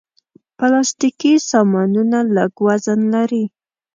پلاستيکي سامانونه لږ وزن لري.